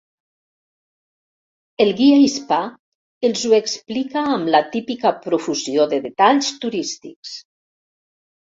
El guia hispà els ho explica amb la típica profusió de detalls turístics.